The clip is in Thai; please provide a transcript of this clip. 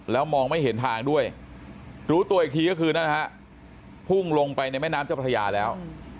แล้วมองไม่เห็นทางด้วยรู้ตัวอีกทีก็คือนั่นนะฮะพุ่งลงไปในแม่น้ำเจ้าพระยาแล้ว